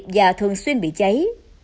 và thường xuyên bị cháy